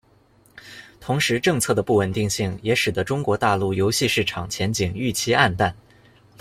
同时政策的不稳定性也使得中国大陆游戏市场前景预期黯淡。